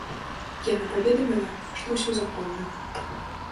Яна паведаміла, што ўсё законна.